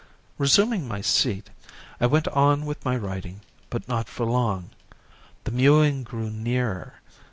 Resuming my seat I went on with my writing, but not for long. The mewing grew nearer.